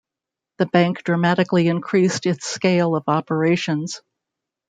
The bank dramatically increased its scale of operations.